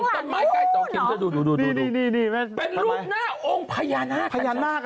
เป็นรูปหน้าองค์พญาณาค